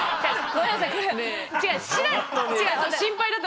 ごめんなさい。